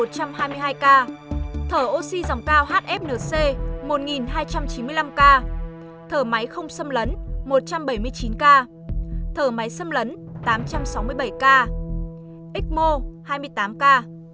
bốn một trăm hai mươi hai ca thở oxy dòng cao hfnc một hai trăm chín mươi năm ca thở máy không xâm lấn một trăm bảy mươi chín ca thở máy xâm lấn tám trăm sáu mươi bảy ca ít mô hai mươi tám ca